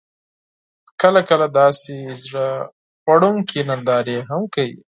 کله، کله داسې زړه خوړونکې نندارې هم کوي: